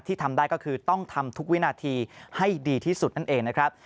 ทำได้ก็คือต้องทำทุกวินาทีให้ดีที่สุดนั่นเองนะครับ